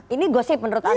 ini gosip menurut anda